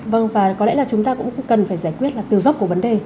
vâng và có lẽ là chúng ta cũng cần phải giải quyết là từ gốc của vấn đề